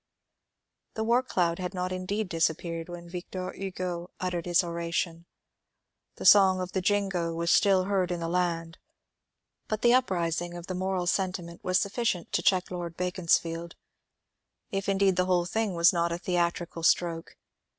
The war cloud had not indeed disappeared when Victor Hugo uttered his oration; the song of the Jingo was still heard in the land ; but the uprising of the moral sentiment was sufficient to check Lord Beaconsfield, — if indeed the whole thing was not a theatrical stroke.